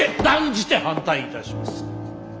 断じて反対いたします！